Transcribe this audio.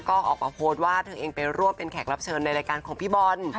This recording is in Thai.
ก็ออกมาโพสต์ว่าเธอเองไปร่วมเป็นแขกรับเชิญในรายการของพี่บอล